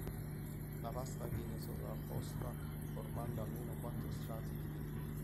La pasta viene sovrapposta formando almeno quattro strati di veli.